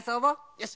よし。